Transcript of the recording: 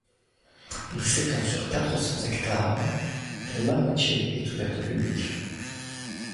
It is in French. Il s'étend sur quatre cents hectares dont la moitié est ouverte au public.